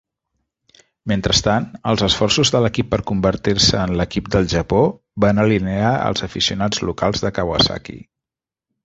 Mentrestant, els esforços de l'equip per convertir-se en l'"Equip del Japó" van alinear els aficionats locals de Kawasaki.